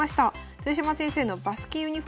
豊島先生のバスケユニフォーム